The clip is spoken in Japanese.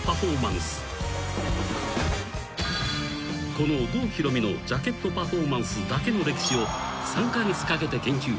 ［この郷ひろみのジャケットパフォーマンスだけの歴史を３カ月かけて研究。